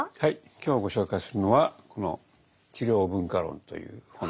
今日ご紹介するのはこの「治療文化論」という本です。